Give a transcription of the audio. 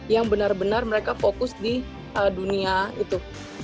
yang benar benar mereka fokus di dunia itu